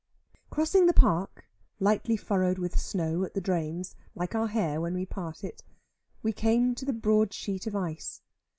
Crossing the Park (lightly furrowed with snow at the drains, like our hair when we part it) we came to a broad sheet of ice.